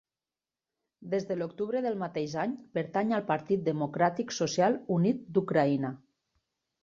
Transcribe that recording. Des de l'octubre del mateix any pertany al Partit Democràtic Social Unit d'Ucraïna.